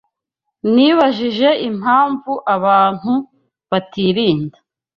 Nibajije impamvu abantu batirinda